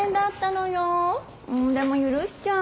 んでも許しちゃう。